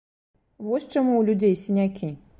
Вось чаму ў людзей сінякі!